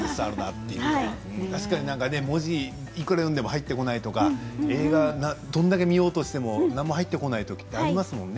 確かに文字いくら読んでも入ってこないとか映画、どれだけ見ようとしても入ってこないときありますよね。